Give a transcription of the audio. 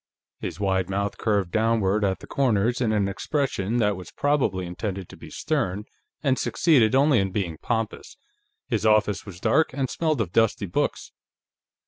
His wide mouth curved downward at the corners in an expression that was probably intended to be stern and succeeded only in being pompous. His office was dark, and smelled of dusty books.